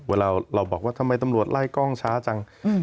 เวลาเราบอกว่าทำไมตำรวจไล่กล้องช้าจัง